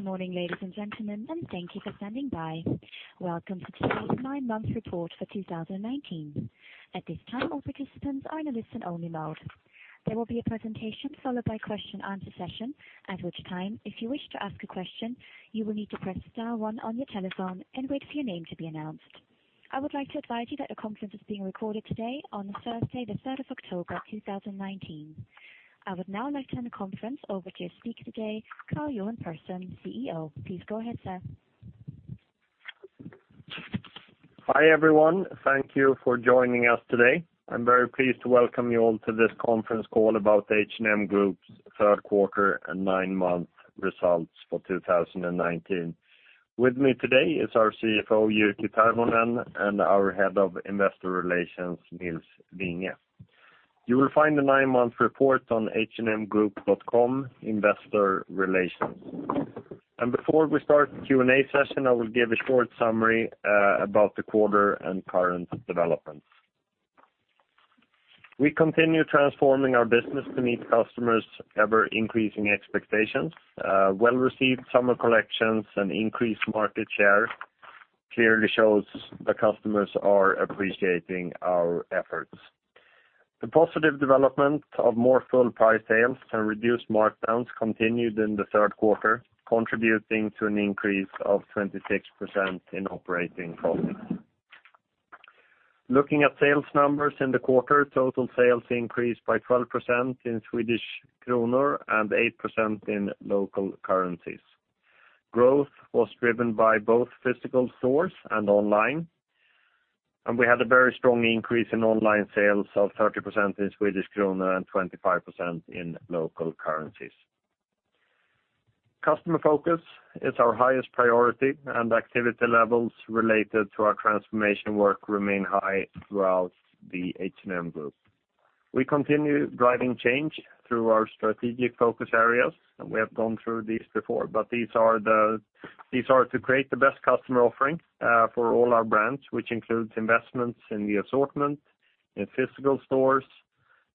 Good morning, ladies and gentlemen, and thank you for standing by. Welcome to today's nine month report for 2019. At this time, all participants are in a listen only mode. There will be a presentation followed by question and answer session, at which time, if you wish to ask a question, you will need to press star one on your telephone and wait for your name to be announced. I would like to advise you that the conference is being recorded today on Thursday, the 3rd of October, 2019. I would now like to turn the conference over to your speaker today, Karl-Johan Persson, CEO. Please go ahead, sir. Hi, everyone. Thank you for joining us today. I'm very pleased to welcome you all to this conference call about H&M Group's third quarter and nine-month results for 2019. With me today is our CFO, Jyrki Tervonen, and our Head of Investor Relations, Nils Vinge. You will find the nine-month report on hmgroup.com, Investor Relations. Before we start the Q&A session, I will give a short summary about the quarter and current developments. We continue transforming our business to meet customers' ever-increasing expectations. Well-received summer collections and increased market share clearly shows the customers are appreciating our efforts. The positive development of more full price sales and reduced markdowns continued in the third quarter, contributing to an increase of 26% in operating profit. Looking at sales numbers in the quarter, total sales increased by 12% in Swedish krona and 8% in local currencies. Growth was driven by both physical stores and online, and we had a very strong increase in online sales of 30% in Swedish krona and 25% in local currencies. Customer focus is our highest priority, and activity levels related to our transformation work remain high throughout the H&M Group. We continue driving change through our strategic focus areas, and we have gone through these before, but these are to create the best customer offering for all our brands, which includes investments in the assortment in physical stores,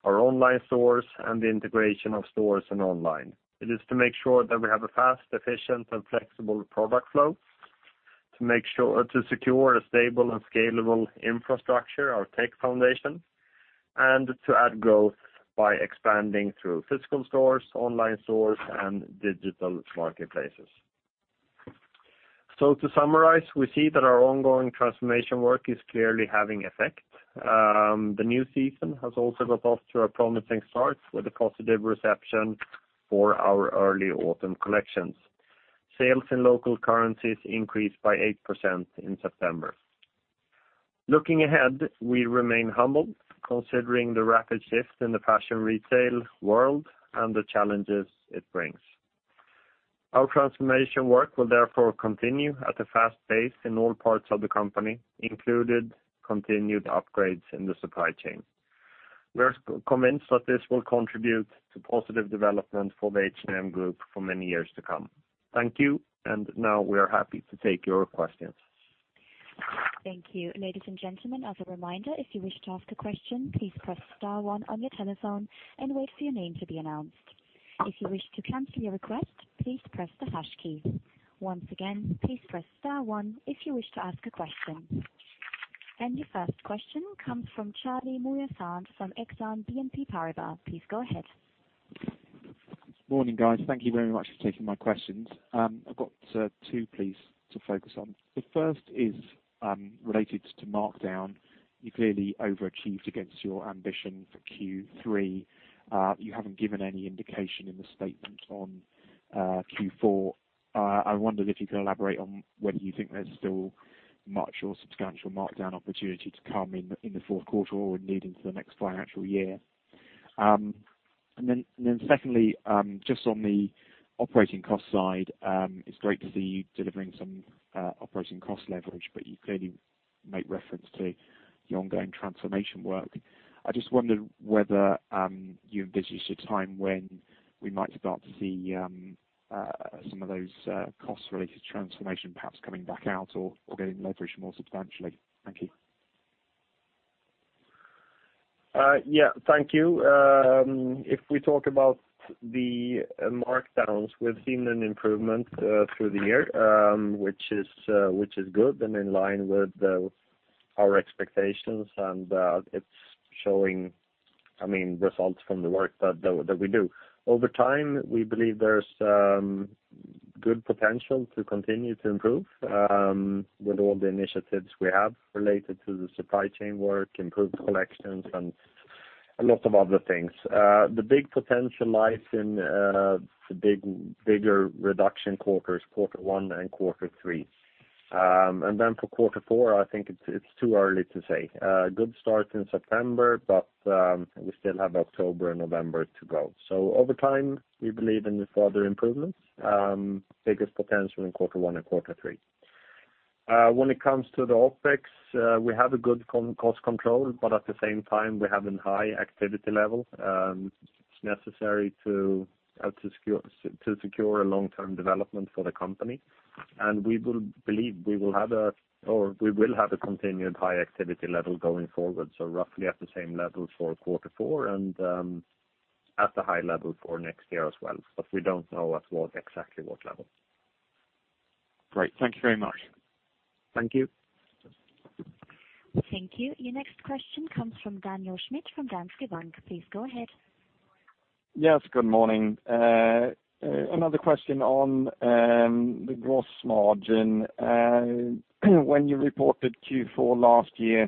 our online stores, and the integration of stores and online. It is to make sure that we have a fast, efficient, and flexible product flow, to secure a stable and scalable infrastructure, our tech foundation, and to add growth by expanding through physical stores, online stores, and digital marketplaces. To summarize, we see that our ongoing transformation work is clearly having effect. The new season has also got off to a promising start with a positive reception for our early autumn collections. Sales in local currencies increased by 8% in September. Looking ahead, we remain humbled considering the rapid shift in the fashion retail world and the challenges it brings. Our transformation work will therefore continue at a fast pace in all parts of the company, included continued upgrades in the supply chain. We're convinced that this will contribute to positive development for the H&M Group for many years to come. Thank you. Now we are happy to take your questions. Thank you. Ladies and gentlemen, as a reminder, if you wish to ask a question, please press star one on your telephone and wait for your name to be announced. If you wish to cancel your request, please press the hash key. Once again, please press star one if you wish to ask a question. Your first question comes from Charlie Muir-Sands from Exane BNP Paribas. Please go ahead. Morning, guys. Thank you very much for taking my questions. I've got two, please, to focus on. The first is related to markdown. You clearly overachieved against your ambition for Q3. You haven't given any indication in the statement on Q4. I wonder if you can elaborate on whether you think there's still much or substantial markdown opportunity to come in the fourth quarter or indeed into the next financial year. Secondly, just on the operating cost side, it's great to see you delivering some operating cost leverage, but you clearly make reference to the ongoing transformation work. I just wondered whether you envisage a time when we might start to see some of those costs related to transformation perhaps coming back out or getting leveraged more substantially. Thank you. Yeah. Thank you. If we talk about the markdowns, we've seen an improvement through the year, which is good and in line with our expectations, and it's showing results from the work that we do. Over time, we believe there's good potential to continue to improve with all the initiatives we have related to the supply chain work, improved collections, and a lot of other things. The big potential lies in the bigger reduction quarters, quarter one and quarter three. Then for quarter four, I think it's too early to say. A good start in September, but we still have October and November to go. Over time, we believe in further improvements, biggest potential in quarter one and quarter three. When it comes to the OpEx, we have a good cost control, but at the same time, we're having high activity level. It's necessary to secure a long-term development for the company. We believe we will have a continued high activity level going forward, roughly at the same level for quarter four and at a high level for next year as well. We don't know exactly what level. Great. Thank you very much. Thank you. Thank you. Your next question comes from Daniel Schmidt from Danske Bank. Please go ahead. Yes, good morning. Another question on the gross margin. When you reported Q4 last year,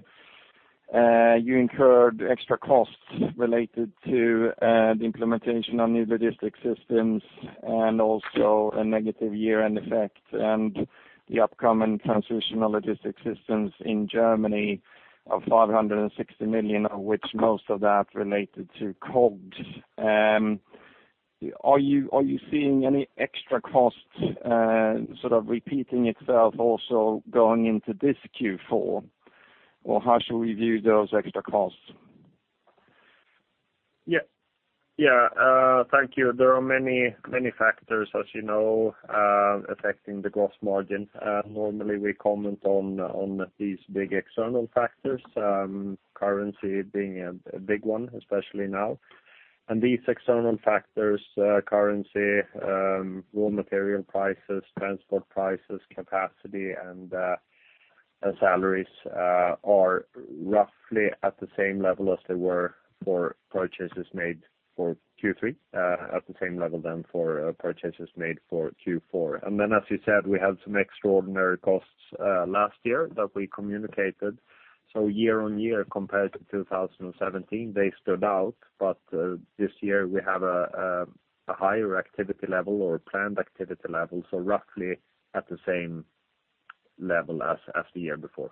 you incurred extra costs related to the implementation of new logistic systems and also a negative year-end effect, and the upcoming transition of logistic systems in Germany of 560 million, of which most of that related to COGS. Are you seeing any extra costs sort of repeating itself also going into this Q4? How should we view those extra costs? Yeah. Thank you. There are many factors, as you know, affecting the gross margin. Normally, we comment on these big external factors, currency being a big one, especially now. These external factors, currency, raw material prices, transport prices, capacity, and salaries, are roughly at the same level as they were for purchases made for Q3 at the same level then for purchases made for Q4. As you said, we had some extraordinary costs last year that we communicated. Year-over-year compared to 2017, they stood out. This year we have a higher activity level or planned activity level, so roughly at the same level as the year before.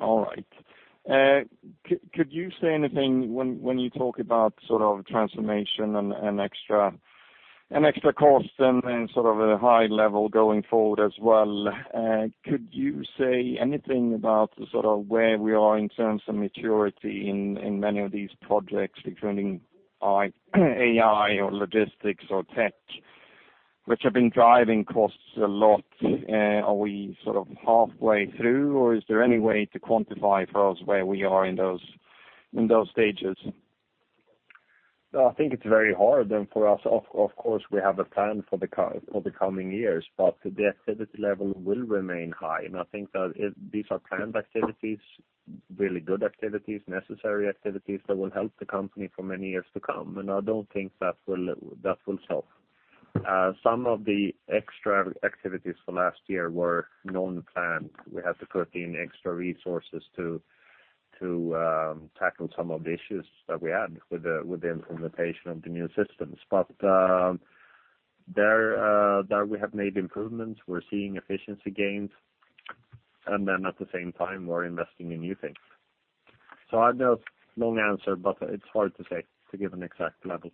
All right. Could you say anything when you talk about sort of transformation and extra costs and sort of a high level going forward as well? Could you say anything about sort of where we are in terms of maturity in many of these projects concerning AI or logistics or tech, which have been driving costs a lot? Are we sort of halfway through, or is there any way to quantify for us where we are in those stages? I think it's very hard. For us, of course, we have a plan for the coming years, but the activity level will remain high. I think that these are planned activities, really good activities, necessary activities that will help the company for many years to come. I don't think that will stop. Some of the extra activities for last year were non-planned. We had to put in extra resources to tackle some of the issues that we had with the implementation of the new systems. There we have made improvements. We're seeing efficiency gains, and then at the same time, we're investing in new things. I know, long answer, but it's hard to say, to give an exact level.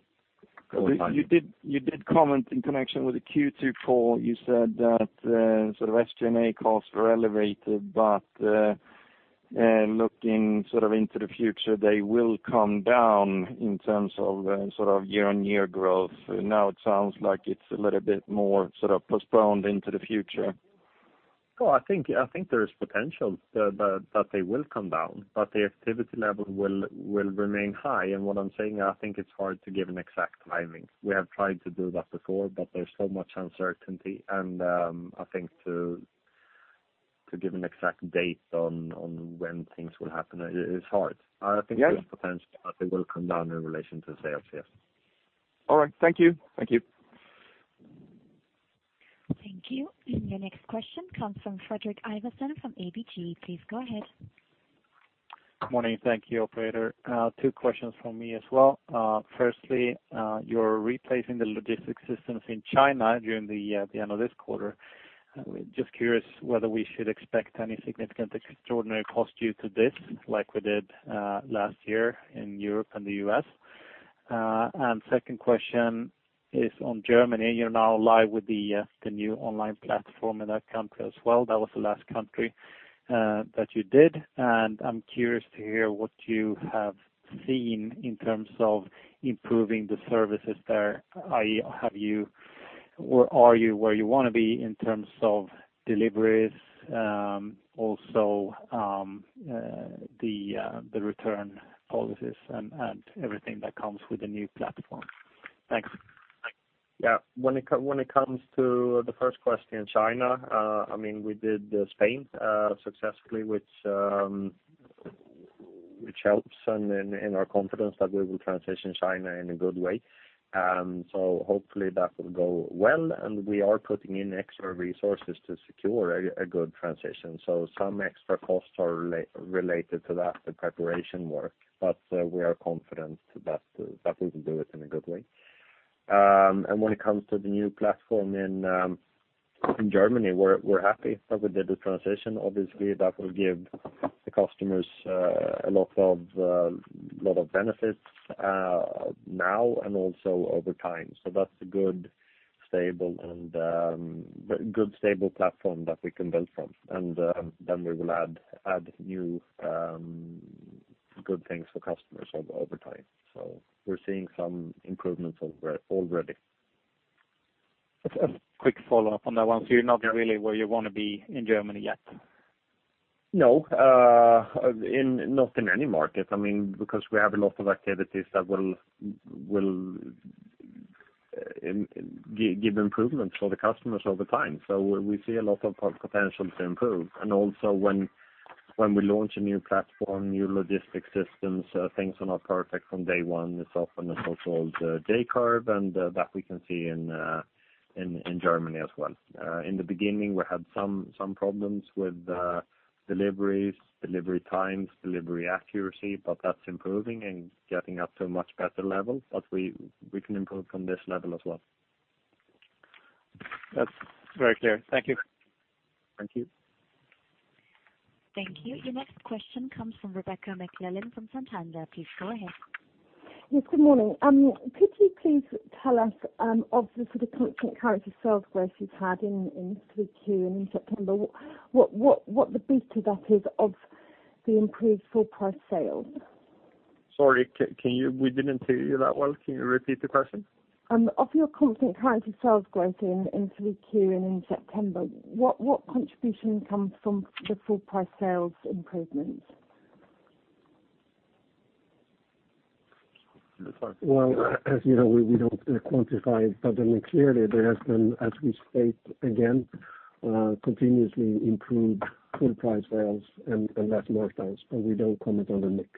You did comment in connection with the Q2 call. You said that sort of SG&A costs were elevated, but looking sort of into the future, they will come down in terms of sort of year-on-year growth. Now it sounds like it's a little bit more sort of postponed into the future. No, I think there is potential that they will come down, but the activity level will remain high. What I'm saying, I think it's hard to give an exact timing. We have tried to do that before, but there's so much uncertainty, and I think to give an exact date on when things will happen is hard. I think there's potential that they will come down in relation to sales. Yes. All right. Thank you. Thank you. Thank you. Your next question comes from Fredrik Ivarsson from ABG. Please go ahead. Morning. Thank you, operator. Two questions from me as well. Firstly, you're replacing the logistics systems in China during the end of this quarter. Just curious whether we should expect any significant extraordinary costs due to this like we did last year in Europe and the U.S. Second question is on Germany. You're now live with the new online platform in that country as well. That was the last country that you did, and I'm curious to hear what you have seen in terms of improving the services there, i.e., are you where you want to be in terms of deliveries? Also, the return policies and everything that comes with the new platform. Thanks. Yeah. When it comes to the first question, China, we did Spain successfully, which helps in our confidence that we will transition China in a good way. Hopefully that will go well, and we are putting in extra resources to secure a good transition. Some extra costs are related to that, the preparation work. We are confident that we will do it in a good way. When it comes to the new platform in Germany, we're happy that we did the transition. Obviously, that will give the customers a lot of benefits now and also over time. That's a good, stable platform that we can build from. We will add new good things for customers over time. We're seeing some improvements already. A quick follow-up on that one. You're not really where you want to be in Germany yet? No, not in any market, because we have a lot of activities that will give improvements for the customers over time. We see a lot of potential to improve. Also when we launch a new platform, new logistic systems, things are not perfect from day one. It's often a so-called J-curve, and that we can see in Germany as well. In the beginning, we had some problems with deliveries, delivery times, delivery accuracy, but that's improving and getting up to a much better level. We can improve from this level as well. That's very clear. Thank you. Thank you. Thank you. Your next question comes from Rebecca McClellan from Santander. Please go ahead. Yes, good morning. Could you please tell us of the constant currency sales growth you've had in Q3 and in September? What the beat to that is of the improved full price sales? Sorry, we didn't hear you that well. Can you repeat the question? Of your constant currency sales growth in Q3 and in September, what contribution comes from the full price sales improvement? Well, as you know, we don't quantify it, but then clearly there has been, as we state again, continuously improved full price sales and less markdowns, but we don't comment on the mix.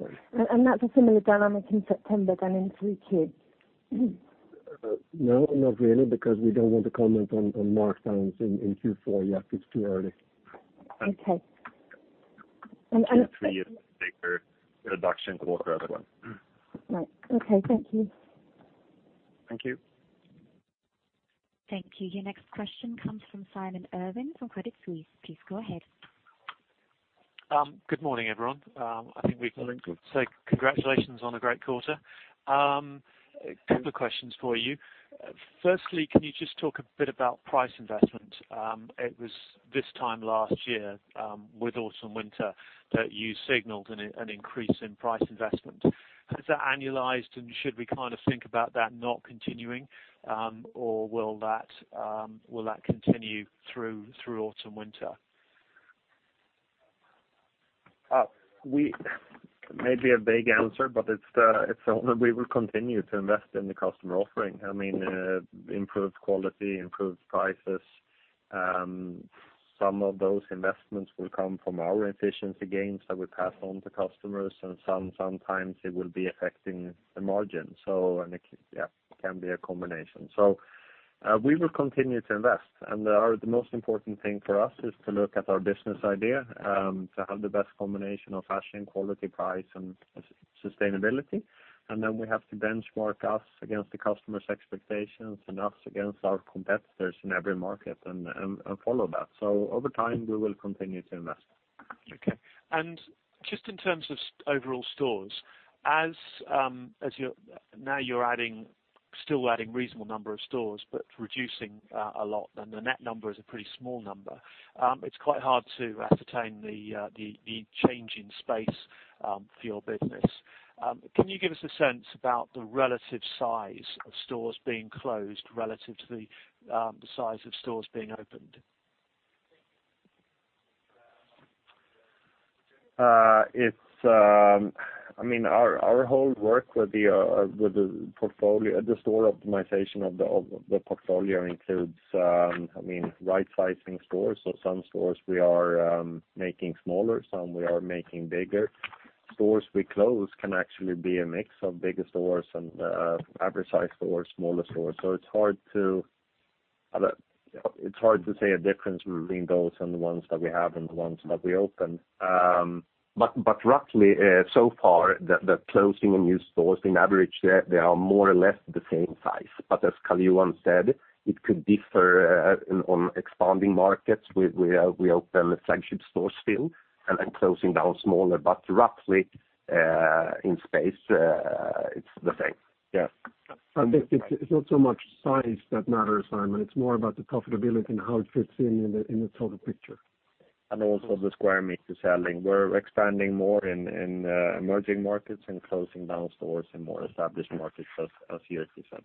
Sorry. that's a similar dynamic in September than in Q3? No, not really, because we don't want to comment on markdowns in Q4 yet. It's too early. Okay. A year later, introduction to whatever one. Right. Okay. Thank you. Thank you. Thank you. Your next question comes from Simon Irwin from Credit Suisse. Please go ahead. Good morning, everyone. I think we can say congratulations on a great quarter. Couple of questions for you. Firstly, can you just talk a bit about price investment? It was this time last year, with autumn/winter, that you signaled an increase in price investment. Is that annualized, and should we think about that not continuing, or will that continue through autumn/winter? Maybe a big answer, but it's that we will continue to invest in the customer offering. Improved quality, improved prices. Some of those investments will come from our efficiency gains that we pass on to customers, and sometimes it will be affecting the margin. Yeah, it can be a combination. We will continue to invest, and the most important thing for us is to look at our business idea, to have the best combination of fashion, quality, price, and sustainability. We have to benchmark us against the customers' expectations and us against our competitors in every market and follow that. Over time, we will continue to invest. Okay. just in terms of overall stores, now you're still adding reasonable number of stores, but reducing a lot, and the net number is a pretty small number. It's quite hard to ascertain the change in space for your business. Can you give us a sense about the relative size of stores being closed relative to the size of stores being opened? Our whole work with the store optimization of the portfolio includes right-sizing stores. Some stores we are making smaller, some we are making bigger. Stores we close can actually be a mix of bigger stores and average-sized stores, smaller stores. It's hard to say a difference between those and the ones that we have and the ones that we open. Roughly, so far, the closing of new stores, in average, they are more or less the same size. As Karl-Johan said, it could differ on expanding markets where we open a flagship store still and closing down smaller. Roughly, in space, it's the same. Yeah. It's not so much size that matters, Simon. It's more about the profitability and how it fits in the total picture. also the square meter selling. We're expanding more in emerging markets and closing down stores in more established markets, as Jyrki said.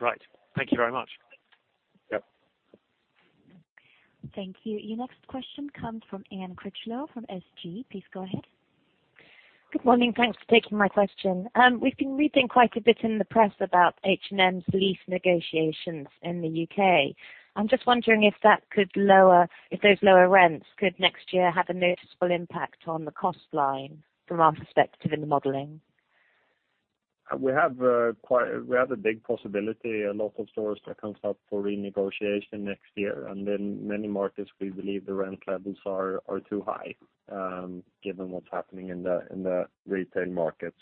Right. Thank you very much. Yep. Thank you. Your next question comes from Anne Critchlow from SG. Please go ahead. Good morning. Thanks for taking my question. We've been reading quite a bit in the press about H&M's lease negotiations in the U.K. I'm just wondering if those lower rents could next year have a noticeable impact on the cost line from our perspective in the modeling. We have a big possibility, a lot of stores that comes up for renegotiation next year. In many markets, we believe the rent levels are too high, given what's happening in the retail market.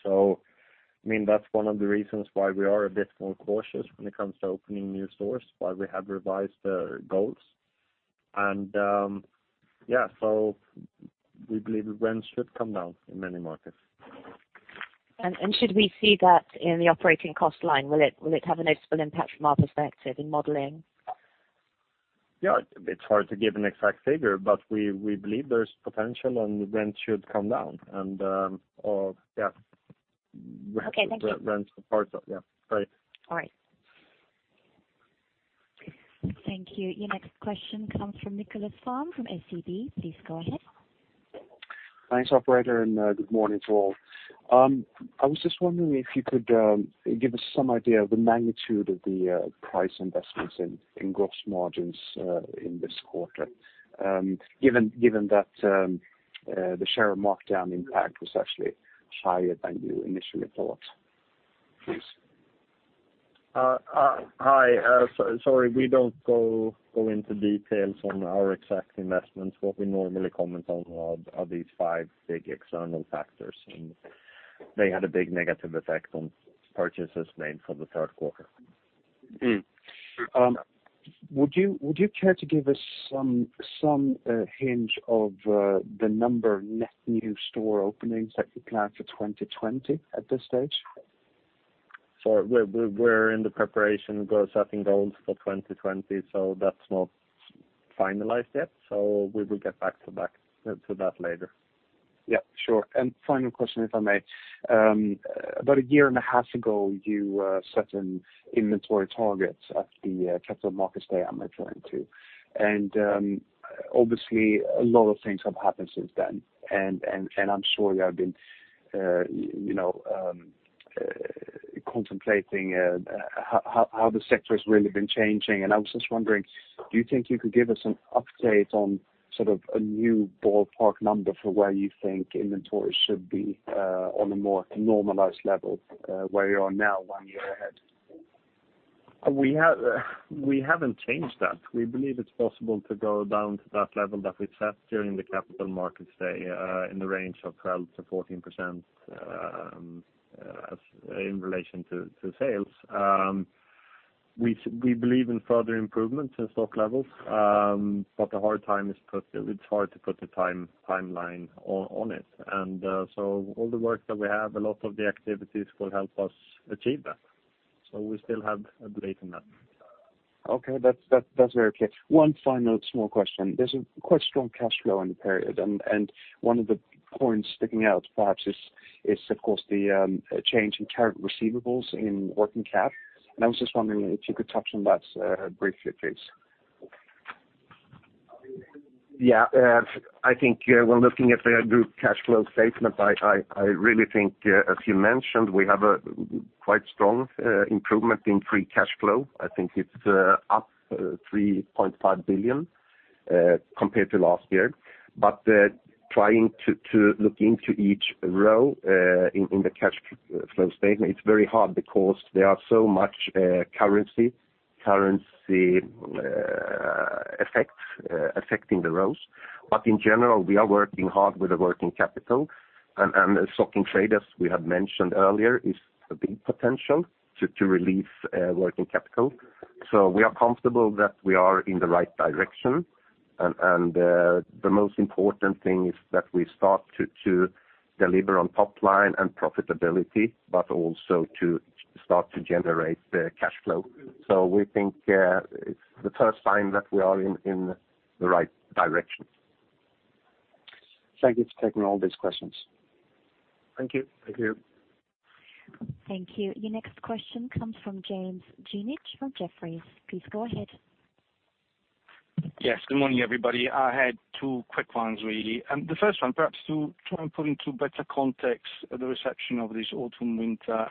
That's one of the reasons why we are a bit more cautious when it comes to opening new stores, why we have revised goals. Yeah, so we believe rents should come down in many markets. Should we see that in the operating cost line? Will it have a noticeable impact from our perspective in modeling? Yeah, it's hard to give an exact figure, but we believe there's potential and rent should come down. Yeah. Okay, thank you. Rent support, yeah. Right. All right. Thank you. Your next question comes from Nicklas Fharm from SEB. Please go ahead. Thanks, operator, and good morning to all. I was just wondering if you could give us some idea of the magnitude of the price investments in gross margins in this quarter, given that the share markdown impact was actually higher than you initially thought. Please. Hi. Sorry, we don't go into details on our exact investments. What we normally comment on are these five big external factors, and they had a big negative effect on purchases made for the third quarter. Would you care to give us some hint of the number of net new store openings that you plan for 2020 at this stage? Sorry. We're in the preparation of goal setting goals for 2020, so that's not finalized yet. We will get back to that later. Yeah, sure. Final question, if I may. About a year and a half ago, you set an inventory target at the Capital Markets Day, I'm referring to. Obviously a lot of things have happened since then, and I'm sure you have been contemplating how the sector has really been changing, and I was just wondering, do you think you could give us an update on sort of a new ballpark number for where you think inventory should be on a more normalized level where you are now one year ahead? We haven't changed that. We believe it's possible to go down to that level that we set during the Capital Markets Day in the range of 12%-14% in relation to sales. We believe in further improvements in stock levels, but it's hard to put a timeline on it. all the work that we have, a lot of the activities will help us achieve that. we still have a belief in that. Okay. That's very clear. One final small question. There's a quite strong cash flow in the period, and one of the points sticking out perhaps is of course, the change in current receivables in working cash. I was just wondering if you could touch on that briefly, please. Yeah. I think when looking at the group cash flow statement, I really think, as you mentioned, we have a quite strong improvement in free cash flow. I think it's up 3.5 billion compared to last year. Trying to look into each row in the cash flow statement, it's very hard because there are so much currency effects affecting the rows. In general, we are working hard with the working capital and stock in trade, as we had mentioned earlier, is a big potential to release working capital. We are comfortable that we are in the right direction. The most important thing is that we start to deliver on top line and profitability, but also to start to generate the cash flow. We think it's the first sign that we are in the right direction. Thank you for taking all these questions. Thank you. Thank you. Your next question comes from James Grzinic from Jefferies. Please go ahead. Yes, good morning, everybody. I had two quick ones, really. The first one, perhaps to try and put into better context the reception of this autumn/winter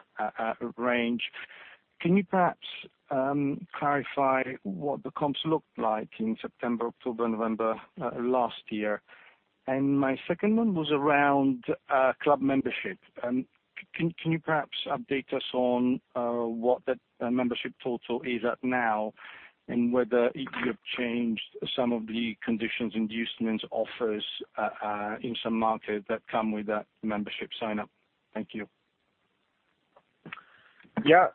range. Can you perhaps clarify what the comps looked like in September, October, November last year? My second one was around club membership. Can you perhaps update us on what that membership total is at now, and whether you have changed some of the conditions, inducements, offers, in some markets that come with that membership sign up? Thank you. Yeah.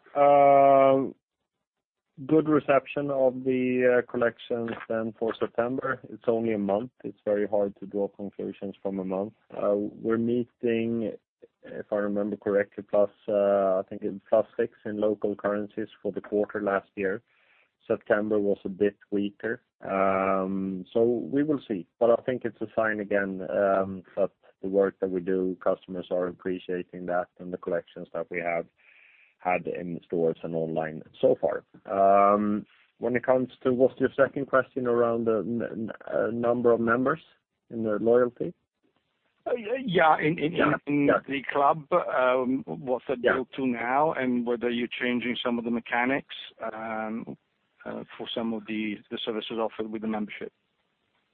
Good reception of the collections then for September. It's only a month. It's very hard to draw conclusions from a month. We're meeting, if I remember correctly, I think in plus six in local currencies for the quarter last year. September was a bit weaker, so we will see. I think it's a sign again, that the work that we do, customers are appreciating that and the collections that we had in stores and online so far. When it comes to, what's your second question around the number of members in the loyalty? Yeah. Yeah. In the club, what's the build to now and whether you're changing some of the mechanics for some of the services offered with the membership?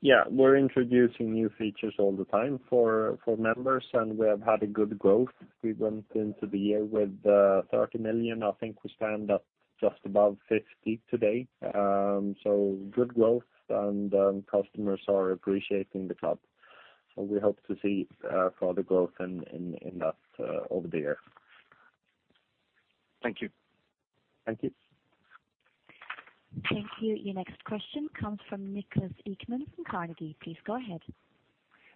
Yeah. We're introducing new features all the time for members, and we have had a good growth. We went into the year with 30 million. I think we stand at just above 50 today. Good growth and customers are appreciating the club. We hope to see further growth in that over the year. Thank you. Thank you. Thank you. Your next question comes from Niklas Ekman from Carnegie. Please go ahead.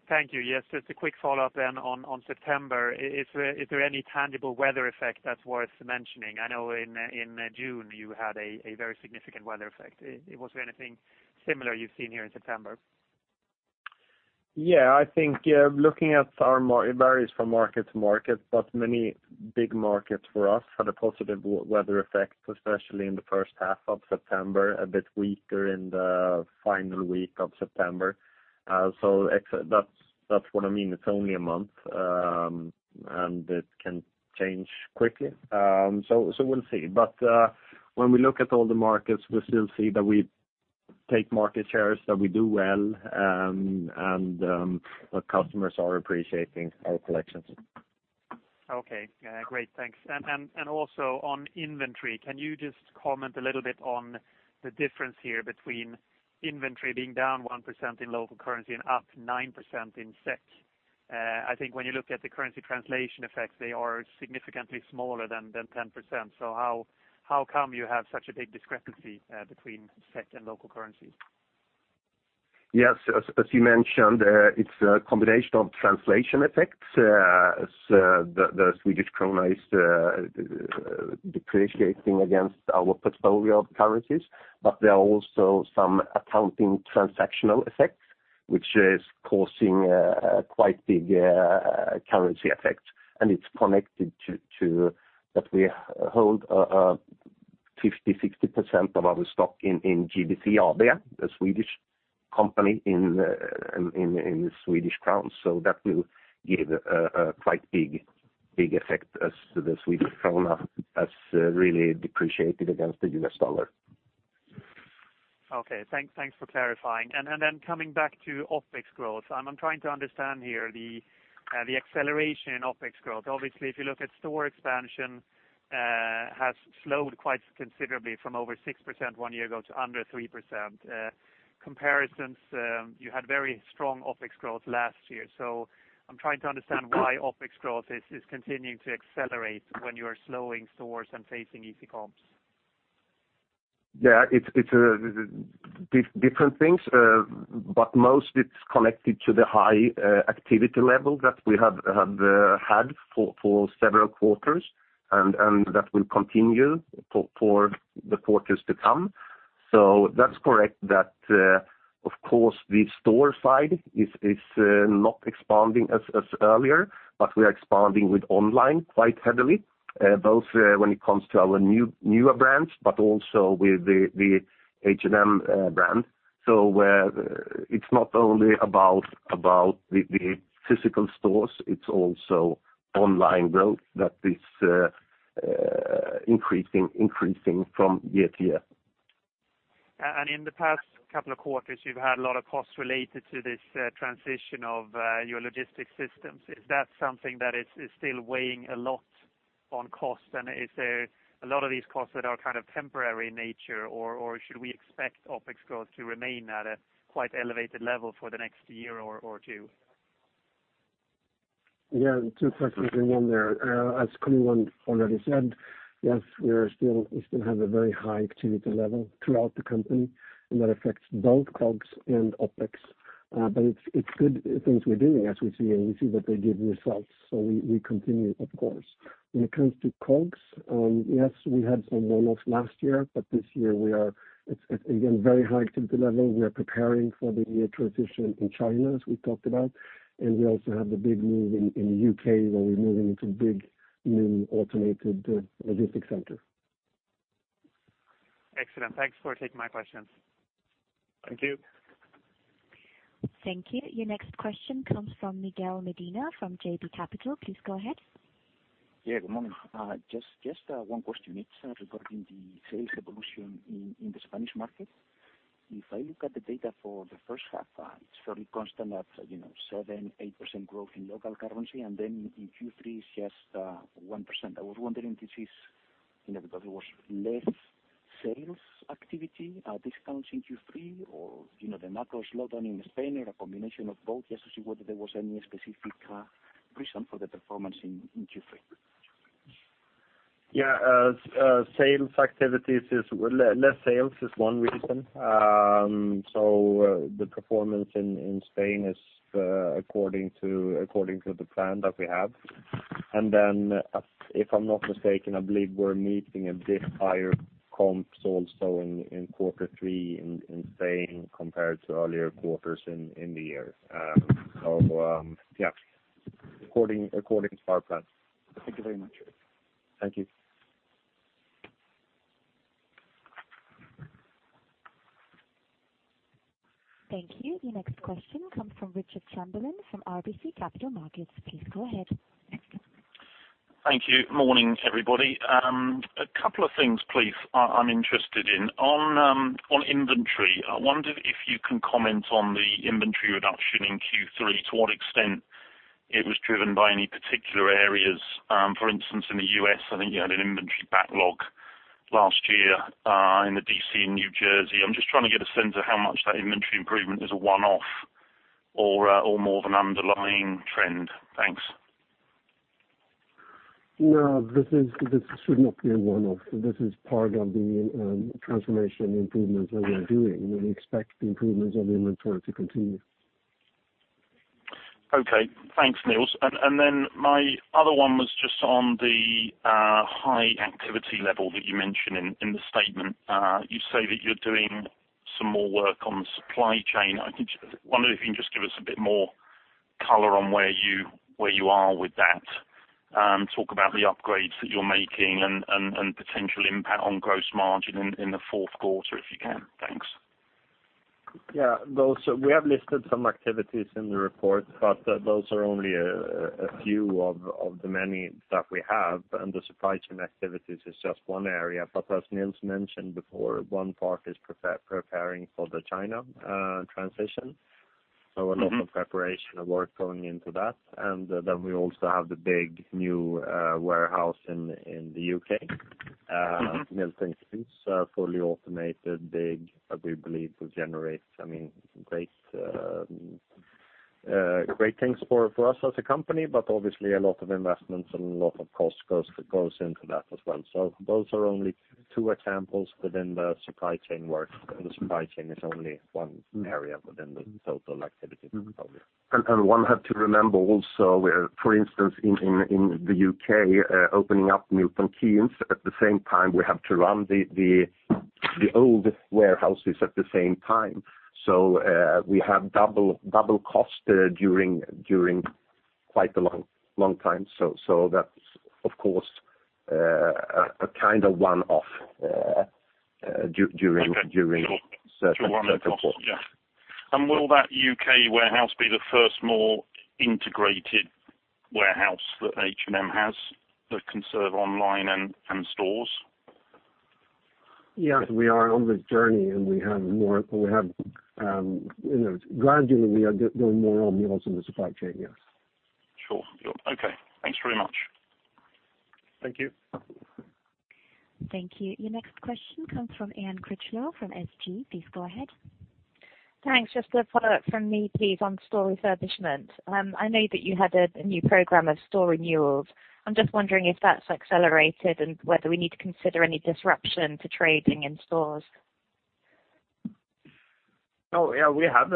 Thank you. Yes, just a quick follow-up then on September. Is there any tangible weather effect that's worth mentioning? I know in June you had a very significant weather effect. Was there anything similar you've seen here in September? Yeah, I think looking at it varies from market to market, but many big markets for us had a positive weather effect, especially in the first half of September, a bit weaker in the final week of September. That's what I mean. It's only a month, and it can change quickly. We'll see. When we look at all the markets, we still see that we take market shares, that we do well, and our customers are appreciating our collections. Okay. Great. Thanks. Also on inventory, can you just comment a little bit on the difference here between inventory being down 1% in local currency and up 9% in SEK? I think when you look at the currency translation effects, they are significantly smaller than 10%. How come you have such a big discrepancy between SEK and local currency? Yes, as you mentioned, it's a combination of translation effects as the Swedish krona is depreciating against our portfolio of currencies. There are also some accounting transactional effects, which is causing quite big currency effects. It's connected to that we hold 50%, 60% of our stock in GBC AB, the Swedish company, in Swedish krona. That will give a quite big effect as the Swedish krona has really depreciated against the US dollar. Okay, thanks for clarifying. Coming back to OpEx growth. I'm trying to understand here the acceleration in OpEx growth. Obviously, if you look at store expansion, has slowed quite considerably from over 6% one year ago to under 3%. Comparisons, you had very strong OpEx growth last year. I'm trying to understand why OpEx growth is continuing to accelerate when you're slowing stores and facing easy comps. Yeah, it's different things. most it's connected to the high activity level that we have had for several quarters, and that will continue for the quarters to come. that's correct that, of course, the store side is not expanding as earlier, but we are expanding with online quite heavily, both when it comes to our newer brands, but also with the H&M brand. it's not only about the physical stores, it's also online growth that is increasing from year to year. In the past couple of quarters, you've had a lot of costs related to this transition of your logistics systems. Is that something that is still weighing a lot on cost? Is there a lot of these costs that are kind of temporary in nature, or should we expect OpEx growth to remain at a quite elevated level for the next year or two? Yeah, two questions in one there. As Karl-Johan already said, yes, we still have a very high activity level throughout the company, and that affects both COGS and OpEx. It's good things we're doing, as we see, and we see that they give results. We continue, of course. When it comes to COGS, yes, we had some one-offs last year, but this year it's again, very high activity level. We are preparing for the year transition in China, as we talked about, and we also have the big move in U.K., where we're moving into big, new automated logistic center. Excellent. Thanks for taking my questions. Thank you. Thank you. Your next question comes from Miguel Medina from JB Capital. Please go ahead. Yeah, good morning. Just one question. It's regarding the sales evolution in the Spanish market. If I look at the data for the first half, it's fairly constant at 7%, 8% growth in local currency, and then in Q3 it's just 1%. I was wondering if this is because there was less sales activity discounts in Q3 or the macro slowdown in Spain, or a combination of both? Just to see whether there was any specific reason for the performance in Q3. Yeah. Less sales is one reason. The performance in Spain is according to the plan that we have. If I'm not mistaken, I believe we're meeting a bit higher comps also in quarter three in Spain compared to earlier quarters in the year. Yeah, according to our plan. Thank you very much. Thank you. Thank you. Your next question comes from Richard Chamberlain from RBC Capital Markets. Please go ahead. Thank you. Morning, everybody. A couple of things please, I'm interested in. On inventory, I wonder if you can comment on the inventory reduction in Q3, to what extent it was driven by any particular areas. For instance, in the U.S., I think you had an inventory backlog last year in the DC in New Jersey. I'm just trying to get a sense of how much that inventory improvement is a one-off or more of an underlying trend. Thanks. No, this should not be a one-off. This is part of the transformation improvements that we are doing. We expect the improvements of the inventory to continue. Okay. Thanks, Nils. My other one was just on the high activity level that you mention in the statement. You say that you're doing some more work on supply chain. I wonder if you can just give us a bit more color on where you are with that, talk about the upgrades that you're making and potential impact on gross margin in the fourth quarter, if you can. Thanks. Yeah. We have listed some activities in the report, but those are only a few of the many that we have, and the supply chain activities is just one area. As Nils mentioned before, one part is preparing for the China transition. A lot of preparation work going into that. We also have the big new warehouse in the U.K., Milton Keynes, fully automated, big, that we believe will generate great things for us as a company, but obviously a lot of investments and a lot of cost goes into that as well. Those are only two examples within the supply chain work, and the supply chain is only one area within the total activities of the company. one have to remember also, for instance, in the U.K., opening up Milton Keynes, at the same time, we have to run the old warehouses at the same time. we have double cost during quite a long time. that's, of course, a kind of one-off during certain points. Okay. Sure. One-off costs. Yeah. Will that U.K. warehouse be the first more integrated warehouse that H&M has that can serve online and stores? Yes, we are on the journey, and gradually we are doing more and more in the supply chain, yes. Sure. Okay. Thanks very much. Thank you. Thank you. Your next question comes from Anne Critchlow from SG. Please go ahead. Thanks. Just a follow-up from me, please, on store refurbishment. I know that you had a new program of store renewals. I'm just wondering if that's accelerated and whether we need to consider any disruption to trading in stores? Oh, yeah, we have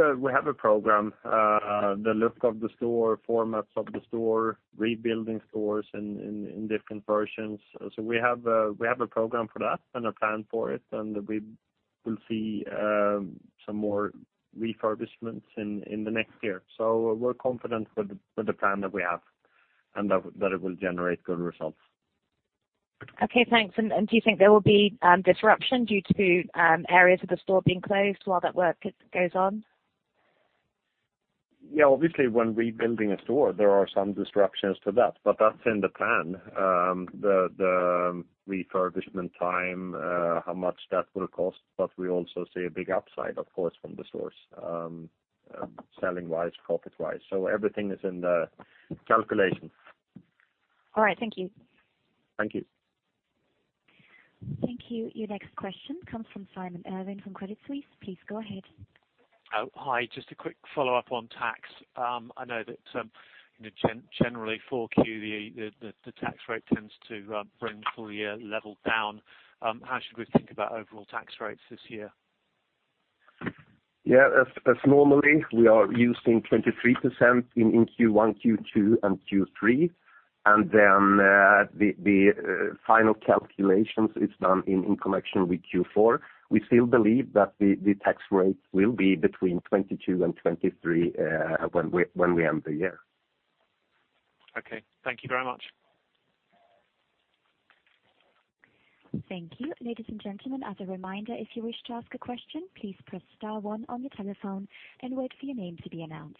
a program. The look of the store, formats of the store, rebuilding stores in different versions. We have a program for that and a plan for it, and we will see some more refurbishments in the next year. We're confident with the plan that we have and that it will generate good results. Okay, thanks. Do you think there will be disruption due to areas of the store being closed while that work goes on? Yeah, obviously, when rebuilding a store, there are some disruptions to that, but that's in the plan. The refurbishment time, how much that will cost, but we also see a big upside, of course, from the stores, selling-wise, profit-wise. Everything is in the calculation. All right. Thank you. Thank you. Thank you. Your next question comes from Simon Irwin from Credit Suisse. Please go ahead. Oh, hi. Just a quick follow-up on tax. I know that generally for Q, the tax rate tends to bring the full year level down. How should we think about overall tax rates this year? Yeah. As normally, we are using 23% in Q1, Q2, and Q3, and then the final calculations is done in connection with Q4. We still believe that the tax rates will be between 22 and 23 when we end the year. Okay. Thank you very much. Thank you. Ladies and gentlemen, as a reminder, if you wish to ask a question, please press star one on your telephone and wait for your name to be announced.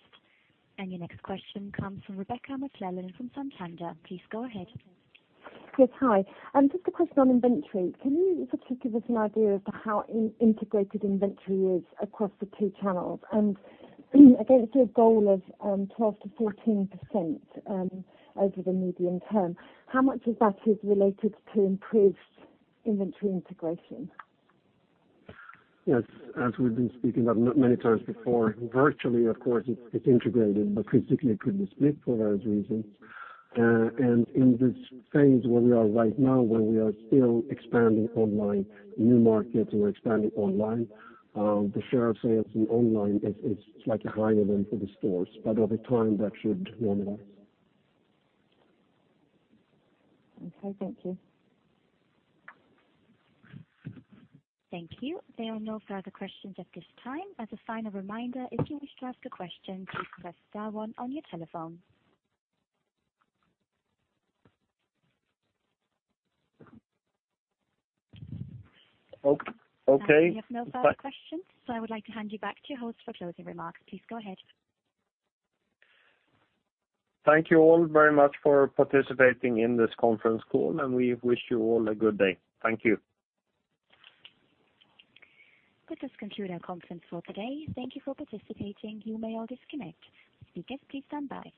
Your next question comes from Rebecca McClellan from Santander. Please go ahead. Yes. Hi. Just a question on inventory. Can you just give us an idea of how integrated inventory is across the two channels? Against your goal of 12 to 14% over the medium term, how much of that is related to improved inventory integration? Yes. As we've been speaking of many times before, virtually, of course, it's integrated, but physically it couldn't split for various reasons. In this phase where we are right now, where we are still expanding online, new markets, we're expanding online, the share of sales in online is slightly higher than for the stores, but over time, that should normalize. Okay. Thank you. Thank you. There are no further questions at this time. As a final reminder, if you wish to ask a question, please press star one on your telephone. Okay. We have no further questions, so I would like to hand you back to your host for closing remarks. Please go ahead. Thank you all very much for participating in this conference call, and we wish you all a good day. Thank you. This does conclude our conference for today. Thank you for participating. You may all disconnect. Speakers, please stand by.